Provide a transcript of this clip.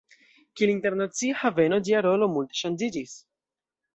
Kiel internacia haveno, ĝia rolo multe ŝanĝiĝis.